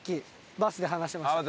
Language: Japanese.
バスで話してた？